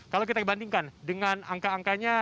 kalau kita bandingkan dengan angka angkanya